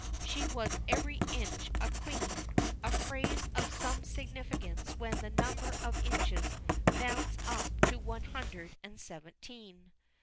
She was "every inch a queen" a phrase of some significance when the number of inches mounts up to one hundred and seventeen.